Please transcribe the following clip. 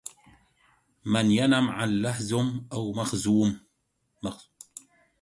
من ينم عن لهذم أو مخذم